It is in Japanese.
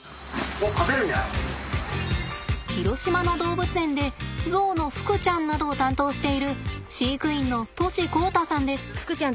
広島の動物園でゾウのふくちゃんなどを担当している飼育員の杜師弘太さんです。